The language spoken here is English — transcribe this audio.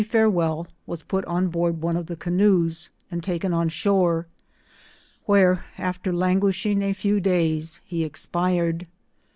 (arewell, was put on board one of the canoes, and taken on shore, where after languishing a few days, he expired.